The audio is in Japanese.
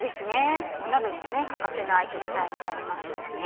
鍋には欠かせない野菜になりましたよね